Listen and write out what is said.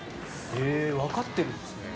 わかってるんですね。